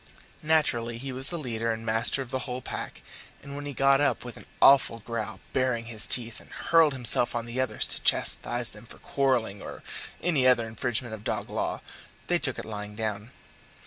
Naturally, he was the leader and master of the whole pack, and when he got up with an awful growl, baring his big teeth, and hurled himself on the others to chastise them for quarrelling or any other infringement of dog law, they took it lying down.